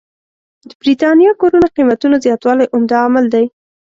برېتانيا کورونو قېمتونو زياتوالی عمده عامل دی.